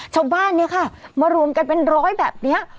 ชาวบ้านเนี่ยค่ะมารวมกันเป็นร้อยแบบนี้